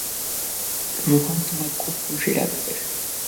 রোহান তোমায় খুব খুশি রাখবে।